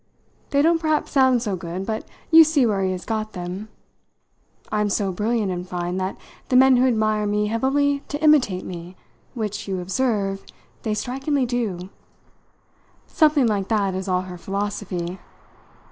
They don't perhaps sound so good, but you see where he has got them. I'm so brilliant, in fine, that the men who admire me have only to imitate me, which, you observe, they strikingly do.' Something like that is all her philosophy."